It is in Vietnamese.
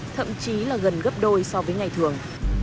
thậm chí là gần gấp đôi so với ngày thường